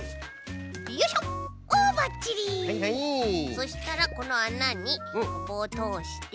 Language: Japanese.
そしたらこのあなにぼうをとおして。